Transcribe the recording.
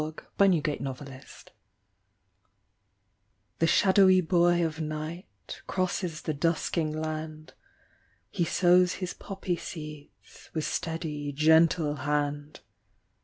62 HYPNOS, GOD OF SLEEP The shadowy boy of night Crosses the dusking land; He sows his poppy seeds With steady gentle hand.